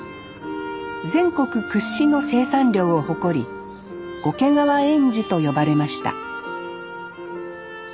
全国屈指の生産量を誇り桶川臙脂と呼ばれました